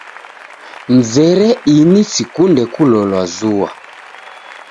Mzere inyi sikunde kulolwa zua.